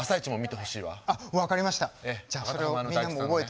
あっ分かりました。